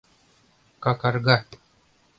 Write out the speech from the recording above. Какарга